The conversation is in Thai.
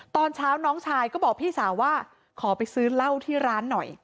ตอนเช้าน้องชายก็บอกพี่สาวว่าขอไปซื้อเหล้าที่ร้านหน่อย